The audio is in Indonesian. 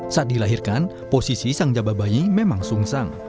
saat dilahirkan posisi sang jababayi memang sungsang